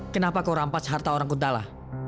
kenapa kau rampas harta orang kuntala